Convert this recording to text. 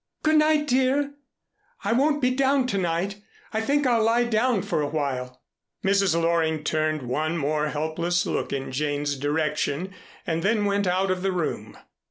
Good night, dear. I won't be down to night. I think I'll lie down for awhile." Mrs. Loring turned one more helpless look in Jane's direction and then went out of the room.